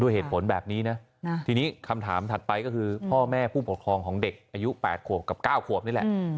เหตุผลแบบนี้นะทีนี้คำถามถัดไปก็คือพ่อแม่ผู้ปกครองของเด็กอายุ๘ขวบกับ๙ขวบนี่แหละ